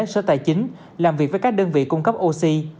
sở tài chính làm việc với các đơn vị cung cấp oxy